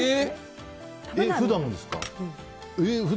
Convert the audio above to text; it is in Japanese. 普段ですか？